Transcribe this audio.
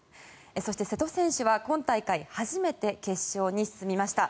そして、瀬戸選手は今大会初めて決勝に進みました。